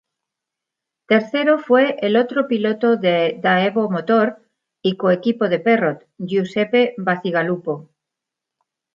Tercero fue el otro piloto de Daewoo Motor y co-equipo de Perrot, Giuseppe Bacigalupo.